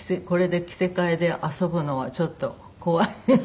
これで着せ替えで遊ぶのはちょっと怖い。